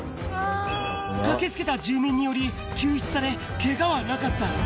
駆けつけた住民により、救出され、けがはなかった。